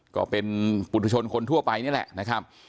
ก็เป็นปุธชนคนทั่วไปนี่แหละนะครับ